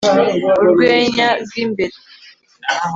Urwenya rwimbere